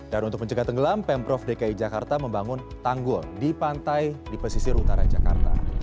dan untuk mencegah tenggelam pemprov dki jakarta membangun tanggul di pantai di pesisir utara jakarta